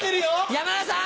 山田さん！